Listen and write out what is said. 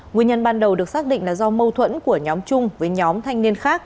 nguyên nhân ban đầu được xác định là do mâu thuẫn của nhóm chung với nhóm thanh niên khác